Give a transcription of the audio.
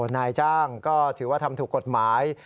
นายจ้างก็ถือว่าทำถูกกฎหมาย